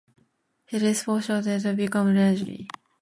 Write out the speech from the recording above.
His reputation as an orchestral leader became legendary.